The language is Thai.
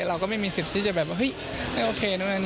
เราก็ไม่มีสิทธิ์ที่จะมองว่าโอเคมั้ย